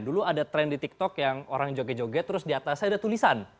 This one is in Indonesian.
dulu ada tren di tiktok yang orang joget joget terus di atasnya ada tulisan